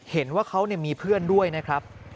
เห็นว่าเขามีเพื่อนด้วยนะครับ